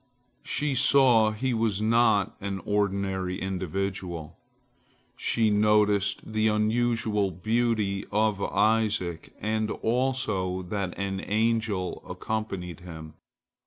She saw he was not an ordinary individual. She noticed the unusual beauty of Isaac, and also that an angel accompanied him.